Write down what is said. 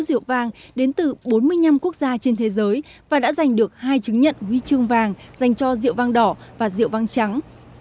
rượu vàng đến từ bốn mươi năm quốc gia trên thế giới và đã giành được hai chứng nhận huy chương vàng dành cho rượu vàng đỏ và rượu vang trắng